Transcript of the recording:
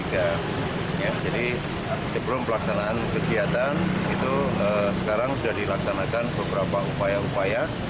jadi sebelum pelaksanaan kegiatan sekarang sudah dilaksanakan beberapa upaya upaya